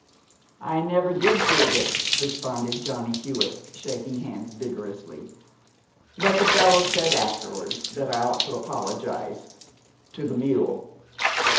"I never did prove it," responded Johnny Hewitt, shaking hands vigorously, "but the fellows said afterwards that I ought to apologize to the mule.